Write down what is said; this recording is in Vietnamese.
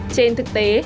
trên thực tế